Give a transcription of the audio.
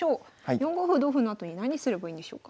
４五歩同歩のあとに何すればいいんでしょうか？